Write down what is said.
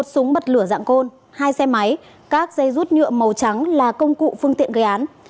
một súng bật lửa dạng côn hai xe máy các dây rút nhựa màu trắng là công cụ phương tiện gây án